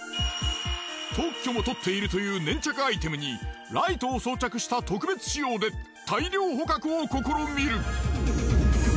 特許も取っているという粘着アイテムにライトを装着した特別仕様で大量捕獲を試みる。